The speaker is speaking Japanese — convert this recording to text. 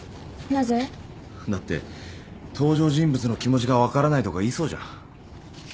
なぜ？だって登場人物の気持ちが分からないとか言いそうじゃん。